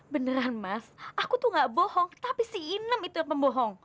beneran mas aku tuh gak bohong tapi si inem itu pembohong